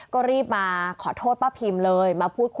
ก็รีบมาขอโทษป้าพิมเลย